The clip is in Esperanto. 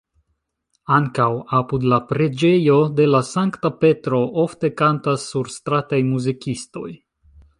Ankaŭ apud la preĝejo de la sankta Petro ofte kantas surstrataj muzikistoj.